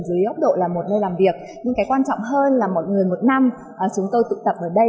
dưới ốc độ là một nơi làm việc nhưng quan trọng hơn là mỗi người một năm chúng tôi tụ tập ở đây